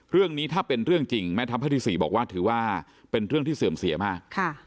เรื่องนี้ถ้าเป็นเรื่องจริงแม่ทัพภาคที่๔บอกว่าถือว่าเป็นเรื่องที่เสื่อมเสียมาก